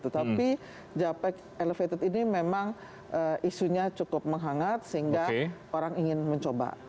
tetapi japek elevated ini memang isunya cukup menghangat sehingga orang ingin mencoba